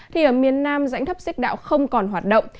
thì ở miền nam dãnh thấp xích đạo không còn hoạt động